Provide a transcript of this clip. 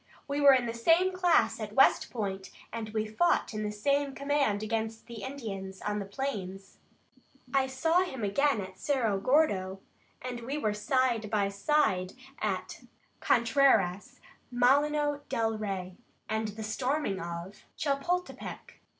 "We were in the same class at West Point, and we fought in the same command against the Indians on the plains. I saw him again at Cerro Gordo, and we were side by side at Contreras, Molino del Rey, and the storming of Chapultepec.